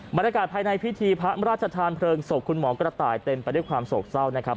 บรรยากาศภายในพิธีพระราชทานเพลิงศพคุณหมอกระต่ายเต็มไปด้วยความโศกเศร้านะครับ